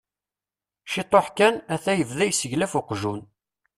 Ciṭuḥ kan, ata yebda yesseglaf uqjun.